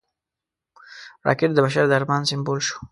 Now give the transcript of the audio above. راکټ د بشر د ارمان سمبول شو